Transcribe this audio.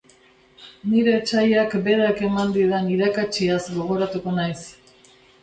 Nire etsaiak berak eman didan irakatsiaz gogoratuko naiz.